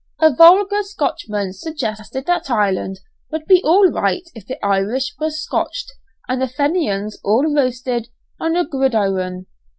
A vulgar Scotchman suggested that Ireland would be all right if the Irish were "Scotched," and the Fenians all roasted on a gridiron.